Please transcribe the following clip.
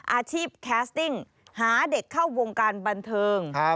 อาชีพแคสติ้งหาเด็กเข้าวงการบันเทิง